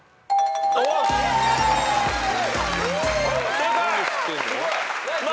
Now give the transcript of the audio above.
正解！